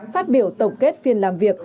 phát biểu tổng kết phiên làm việc